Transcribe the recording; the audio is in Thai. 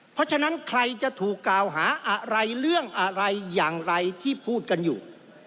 เพราะฉะนั้นใครจะถูกกล่าวหาอะไรเรื่องอะไรอย่างไรที่พูดกันอยู่